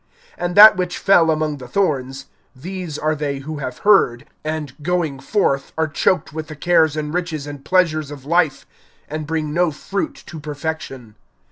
(14)And that which fell among the thorns, these are they who have heard, and going forth are choked with the cares and riches and pleasures of life, and bring no fruit to perfection.